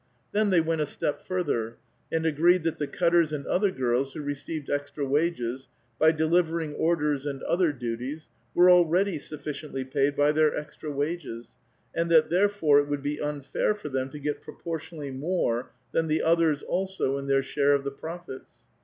Then they went a step further, and agreed that the cutters and other girls who received extra Wn^es, by delivering orders and other duties, were already Sufficiently paid by their extra wages, and that therefore it Would be unfair for Ihem to get proportionally more than the others also in their share of the profits.